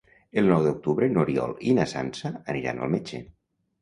El nou d'octubre n'Oriol i na Sança aniran al metge.